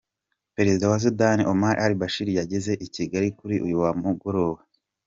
Perezida wa Sudani, Omar al-Bashir yageze i Kigali kuri uyu mugoroba.